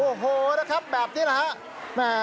โอ้โหนะครับแบบนี้นะฮะ